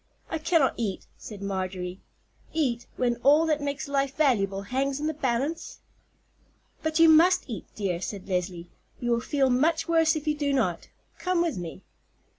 "I cannot eat," said Marjorie. "Eat, when all that makes life valuable hangs in the balance?" "But you must eat, dear," said Leslie; "you will feel much worse if you do not. Come with me."